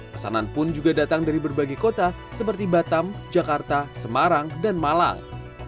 pesanan pun juga datang dari berbagai kota seperti batam jakarta semarang dan malang